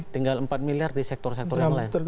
tinggal empat miliar di sektor sektor yang lain